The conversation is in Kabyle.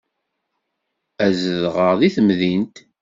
Ad zedɣeɣ deg temdint.